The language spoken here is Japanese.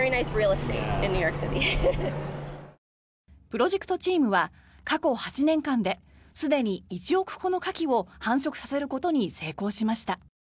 プロジェクトチームは過去８年間ですでに１億個のカキを繁殖させることに成功しました。